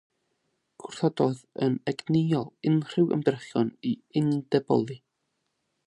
Gwrthododd yn egnïol unrhyw ymdrechion i undeboli.